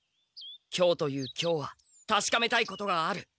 今日という今日はたしかめたいことがある。